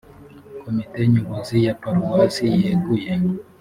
komite nyobozi ya paruwasi yeguye